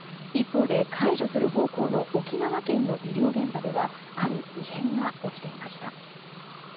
一方で解除する方向の沖縄県の医療現場ではある異変が起きていました。